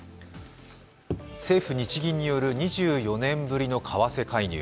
政府・日銀による２４年ぶりの為替介入。